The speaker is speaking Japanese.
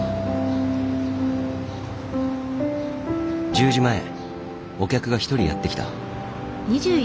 １０時前お客が一人やって来た。